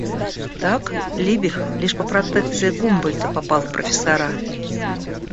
Так, Либих лишь по протекции Гумбольдта попал в профессора.